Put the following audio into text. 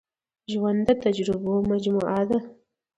ژوند د تجربو مجموعه ده.